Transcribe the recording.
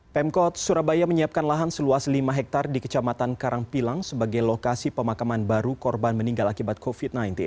pemkot surabaya menyiapkan lahan seluas lima hektare di kecamatan karangpilang sebagai lokasi pemakaman baru korban meninggal akibat covid sembilan belas